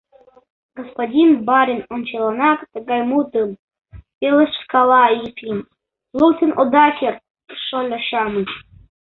— Господин барин ончыланак тыгай мутым... — пелешткала Ефим, — луктын ода керт, шольо-шамыч!